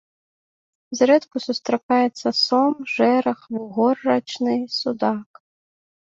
Зрэдку сустракаецца сом, жэрах, вугор рачны, судак.